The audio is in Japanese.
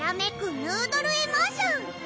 ヌードル・エモーション！